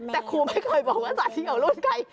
แต่ครูไม่เคยบอกว่าสัตว์ที่ออกลูกเป็นไข่